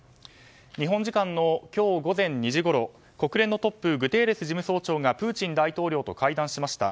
日本時間の今日午前２時ごろ国連のトップグテーレス事務総長がプーチン大統領と会談しました。